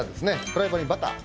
フライパンにバター。